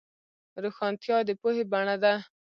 روښانتیا د پوهې بڼه ده.